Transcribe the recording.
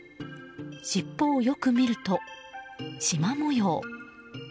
尻尾をよく見ると、しま模様。